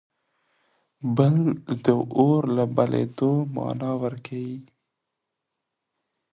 بل د اور له بلېدلو مانا ورکوي.